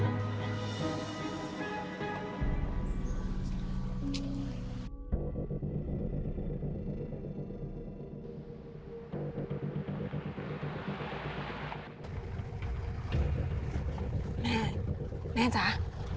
แม่แม่จ้า